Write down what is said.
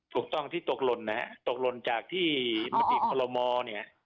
ถูกต้องที่ตกหล่นตกหล่นจากที่มันทิกธรรมนี่